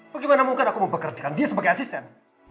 bagaimana mungkin aku mau percaya dia sebagai asisten